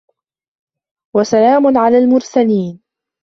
وَسَلامٌ عَلَى المُرسَلينَ